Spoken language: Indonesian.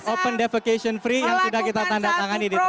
open defication free yang sudah kita tanda tangani di tp